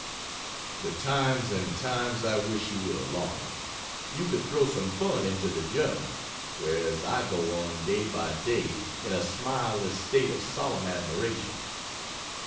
The times and times I wish you were along! You could throw some fun into the journey; whereas I go on, day by day, in a smileless state of solemn admiration.